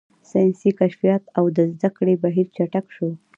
ساینسي کشفیات او د زده کړې بهیر چټک شو.